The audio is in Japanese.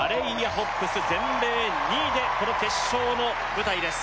ホッブス全米２位でこの決勝の舞台です